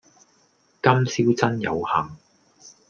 今宵真有幸